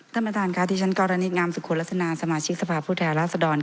ท่านประธานค่ะดิฉันกรณิตงามสุขควรลักษณะสมาชิกสภาพผู้แทนลักษณ์สะดอน